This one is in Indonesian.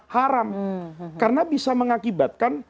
haram karena bisa mengakibatkan